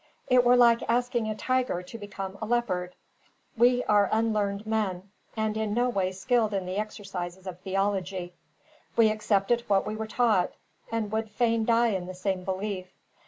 It were like asking a tiger to become a leopard. We are unlearned men, and in no way skilled in the exercises of theology. We accepted what we were taught, and would fain die in the same belief.